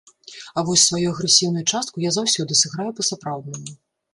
А вось сваю агрэсіўную частку я заўсёды сыграю па-сапраўднаму.